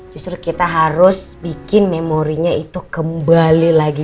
justru kita harus bikin memorinya itu kembali lagi